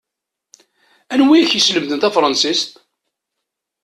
Anwa i ak-iselmaden tafṛansist?